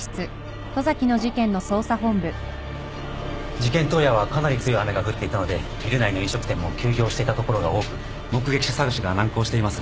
事件当夜はかなり強い雨が降っていたのでビル内の飲食店も休業していたところが多く目撃者捜しが難航しています。